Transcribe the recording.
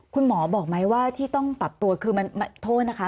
คุณหมอบอกไหมว่าที่ต้องปรับตัวคือมันโทษนะคะ